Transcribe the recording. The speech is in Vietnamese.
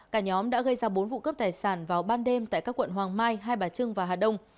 cả nhóm đã gây ra bốn vụ cướp tài sản vào ban đêm tại các quận hoàng mai hai bà trưng và hà đông